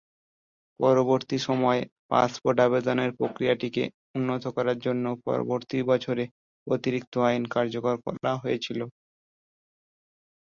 পরবর্তী সময়ে, পাসপোর্ট আবেদনের প্রক্রিয়াটিকে উন্নত করার জন্য পরবর্তী বছরে অতিরিক্ত আইন কার্যকর করা হয়েছিল।